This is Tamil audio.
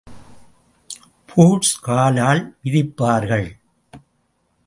பூட்ஸ் காலால் மிதிப்பார்கள்.